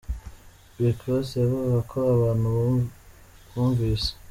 Rick Ross yavugaga ko abantu bumvise.